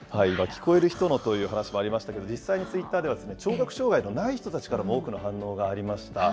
聞こえる人のという話もありましたけれども、実際にツイッターでは聴覚障害のない人たちからも多くの反応がありました。